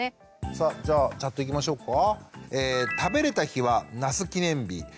さあじゃあチャットいきましょうか。